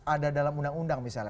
ada dalam undang undang misalnya